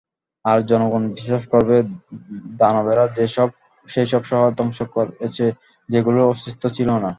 আর জনগণ বিশ্বাস করবে দানবেরা সেসব শহর ধ্বংস করেছে, যেগুলোর অস্তিত্বই ছিল না।